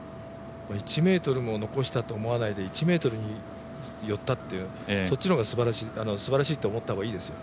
１ｍも残したと思わないで１ｍ寄ったって、そっちの方がすばらしいと思った方がいいですよ。